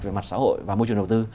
về mặt xã hội và môi trường đầu tư